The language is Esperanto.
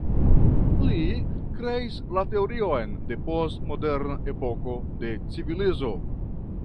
Li kreis la teorion de post-moderna epoko de civilizo.